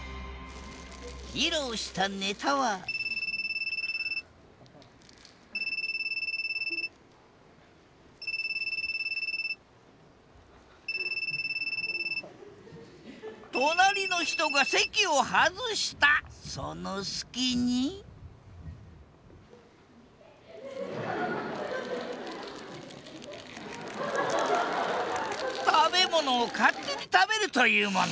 披露したネタは隣の人が席を外したその隙に食べ物を勝手に食べるというもの。